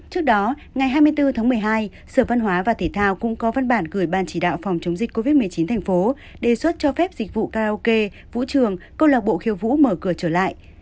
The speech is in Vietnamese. trước đó ngày hai mươi bốn tháng một mươi hai sở văn hóa và thể thao cũng có văn bản gửi ban chỉ đạo phòng chống dịch covid một mươi chín thành phố đề xuất cho phép dịch vụ karaoke vũ trường câu lạc bộ khiêu vũ mở cửa trở lại